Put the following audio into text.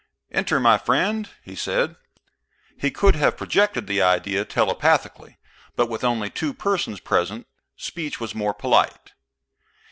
"Enter, my friend," he said. He could have projected the idea telepathically; but with only two persons present, speech was more polite.